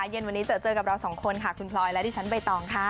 เย็นวันนี้เจอเจอกับเราสองคนค่ะคุณพลอยและดิฉันใบตองค่ะ